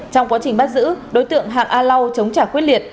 trong quá trình bắt giữ đối tượng hạng a lau chống trả quyết liệt